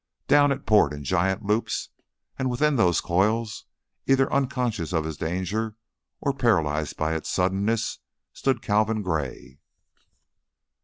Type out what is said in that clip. Down it poured in giant loops, and within those coils, either unconscious of his danger or paralyzed by its suddenness, stood Calvin Gray.